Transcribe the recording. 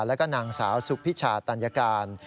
และสาวสุขภิชาตัญญาการ